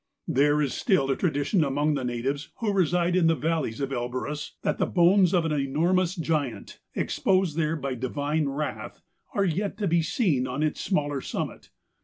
There is still a tradition amongst the natives who reside in the valleys of Elborus that the bones of an enormous giant, exposed there by divine wrath, are yet to be seen on its smaller summit.